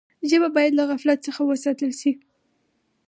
ژبه باید له غفلت څخه وساتل سي.